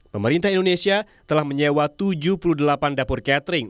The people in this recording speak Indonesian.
pemerintah indonesia telah menyewa tujuh puluh delapan dapur catering